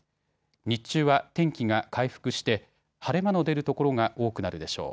日中は天気が回復して晴れ間の出る所が多くなるでしょう。